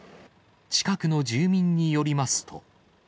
近くの住民によりますと。